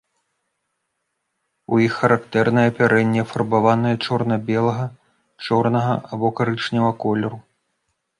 У іх характэрнае апярэнне, афарбаванае чорна-белага, чорнага або карычневага колеру.